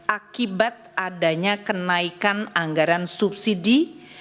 akibat adanya kenaikan anggaran subsidi